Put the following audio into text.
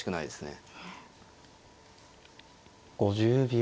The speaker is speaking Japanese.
５０秒。